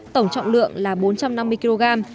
tổng trọng lượng là bốn trăm năm mươi kg